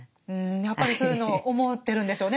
やっぱりそういうのを思ってるんでしょうね